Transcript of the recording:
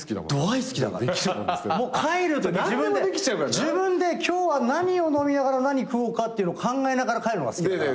自分で今日は何を飲みながら何食おうかって考えながら帰るのが好きだから。